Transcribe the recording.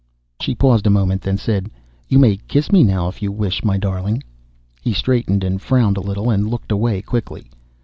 She paused a moment, then said, "You may kiss me now if you wish, my darling." He straightened and frowned a little, and looked away quickly.